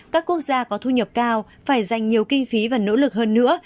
các quốc gia có thu nhập cao phải dành nhiều kinh phí và nỗ lực hơn nữa